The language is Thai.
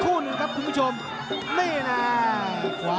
ขื้นก้านคอเลยพันมะยักษ์